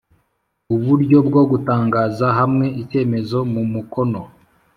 Uburyo Bwo Gutangaza Hamwe Icyemeza Mu mukono